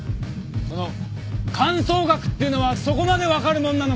その観相学ってのはそこまで分かるもんなのか？